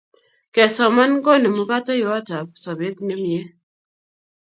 Kesoman konemu kateiywotap sopet nemie